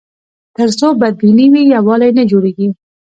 تر څو بدبیني وي، یووالی نه جوړېږي.